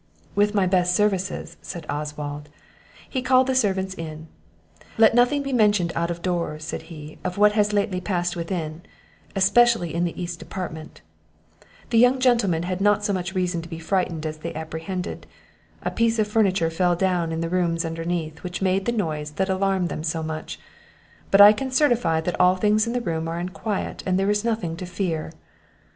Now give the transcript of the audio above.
"With my best services," said Oswald. He called the servants in. "Let nothing be mentioned out of doors," said he, "of what has lately passed within, especially in the east apartment; the young gentlemen had not so much reason to be frightened as they apprehended; a piece of furniture fell down in the rooms underneath, which made the noise that alarmed them so much; but I can certify that all things in the rooms are in quiet, and there is nothing to fear.